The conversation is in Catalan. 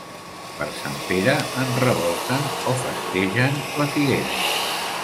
Per Sant Pere enrevolten o festegen la figuera.